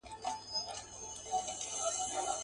چي یو ږغ کړي د وطن په نامه پورته.